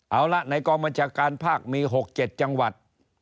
เอาละในกองบัญชาการภาคมี๖๗จังหวัด